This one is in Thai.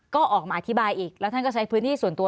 ก็ออกมาอธิบายอีกแล้วท่านก็ใช้พื้นที่ส่วนตัว